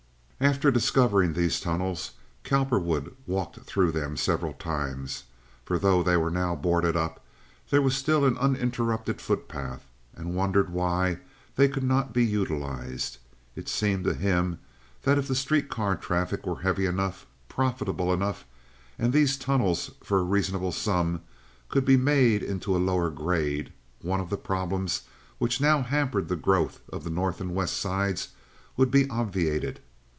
After discovering these tunnels Cowperwood walked through them several times—for though they were now boarded up, there was still an uninterrupted footpath—and wondered why they could not be utilized. It seemed to him that if the street car traffic were heavy enough, profitable enough, and these tunnels, for a reasonable sum, could be made into a lower grade, one of the problems which now hampered the growth of the North and West Sides would be obviated.